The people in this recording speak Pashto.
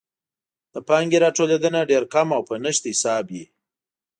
د پانګې راټولیدنه ډېر کم او په نشت حساب وي.